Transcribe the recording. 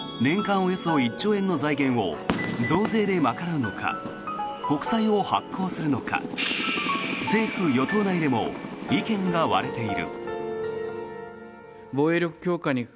およそ１兆円の財源を増税で賄うのか国債を発行するのか政府・与党内でも意見が割れている。